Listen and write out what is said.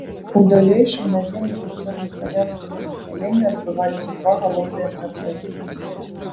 У далейшым, на землях усходнеславянскага засялення адбываліся два галоўныя працэсы.